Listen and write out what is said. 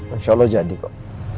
insya allah jadi kok